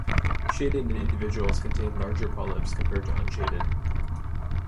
Shaded individuals contain larger polyps compared to unshaded.